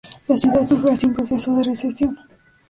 La ciudad sufre así un proceso de recesión.